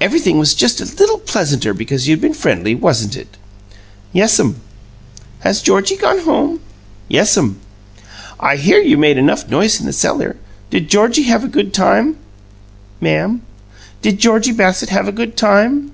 "Everything was just a little pleasanter because you'd been friendly, wasn't it?" "Yes'm." "Has Georgie gone home?" "Yes'm." "I hear you made enough noise in the cellar Did Georgie have a good time?" "Ma'am?" "Did Georgie Bassett have a good time?"